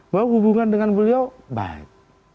bahwa hubungan dengan beliau baik